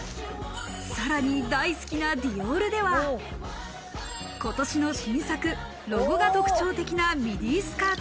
さらに大好きなディオールでは今年の新作、ロゴが特徴的なミディスカート